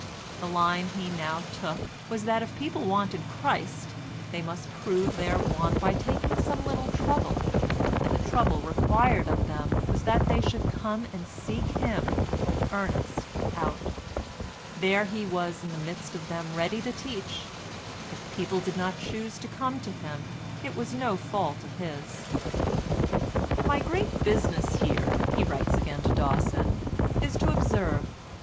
The line he now took was that if people wanted Christ, they must prove their want by taking some little trouble, and the trouble required of them was that they should come and seek him, Ernest, out; there he was in the midst of them ready to teach; if people did not choose to come to him it was no fault of his. "My great business here," he writes again to Dawson, "is to observe.